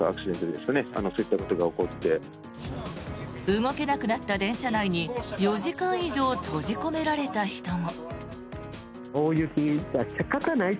動けなくなった電車内に４時間以上閉じ込められた人も。